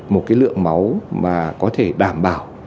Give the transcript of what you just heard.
một cái lượng máu mà có thể đảm bảo